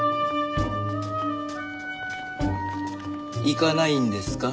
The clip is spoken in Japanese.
行かないんですか？